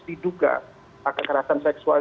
diduga kekerasan seksual